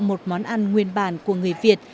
một món ăn nguyên bản của người việt